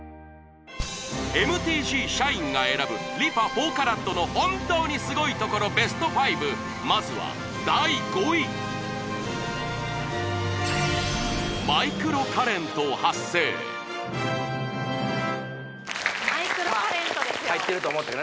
ＭＴＧ社員が選ぶＲｅＦａ４ＣＡＲＡＴの本当にスゴいところベスト５まずは第５位マイクロカレントですよ